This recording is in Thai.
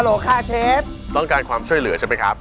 โหลค่ะเชฟต้องการความช่วยเหลือใช่ไหมครับ